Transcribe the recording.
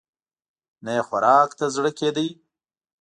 نه يې خوراک ته زړه کېده.